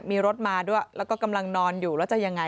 มีรถมาด้วยแล้วก็กำลังนอนอยู่แล้วจะยังไง